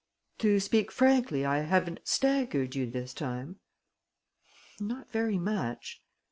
"To speak frankly, I haven't 'staggered' you this time?" "Not very much."